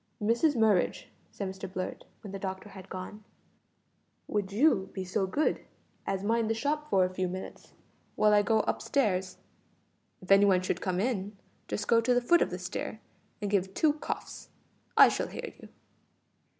"Mrs Murridge," said Mr Blurt, when the doctor had gone, "would you be so good as mind the shop for a few minutes, while I go up stairs? If any one should come in, just go to the foot of the stair and give two coughs. I shall hear you."